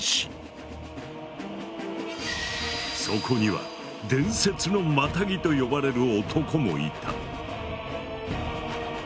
そこには「伝説のマタギ」と呼ばれる男もいた。